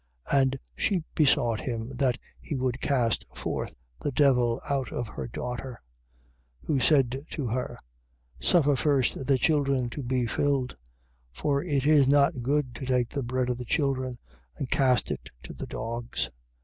And she besought him that he would cast forth the devil out of her daughter. 7:27. Who said to her: suffer first the children to be filled: for it is not good to take the bread of the children and cast it to the dogs.